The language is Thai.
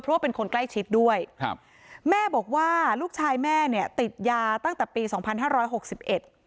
เพราะว่าเป็นคนใกล้ชิดด้วยครับแม่บอกว่าลูกชายแม่เนี่ยติดยาตั้งแต่ปีสองพันห้าร้อยหกสิบเอ็ด